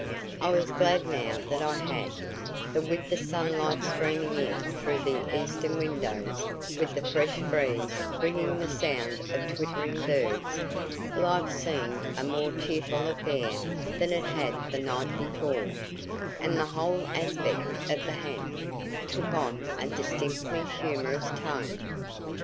I was glad now that I had; for with the sunlight streaming in through the eastern windows, with the fresh breeze bringing the sound of twittering birds, life seemed a more cheerful affair than it had the night before, and the whole aspect of the ha'nt took on a distinctly humorous tone.